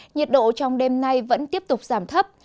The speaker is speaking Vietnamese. nhiệt độ trong đêm nay vẫn tiếp tục giảm thấp